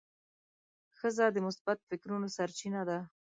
ښځه د مثبت فکرونو سرچینه ده.